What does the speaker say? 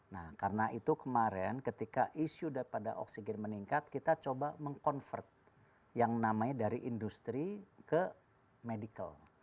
nah karena itu kemarin ketika isu daripada oksigen meningkat kita coba meng convert yang namanya dari industri ke medical